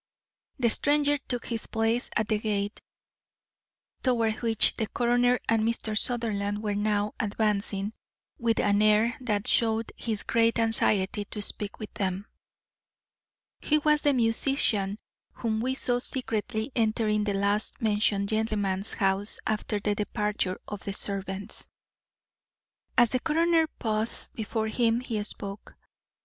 The stranger took his place at the gate, toward which the coroner and Mr. Sutherland were now advancing, with an air that showed his great anxiety to speak with them. He was the musician whom we saw secretly entering the last mentioned gentleman's house after the departure of the servants. As the coroner paused before him he spoke.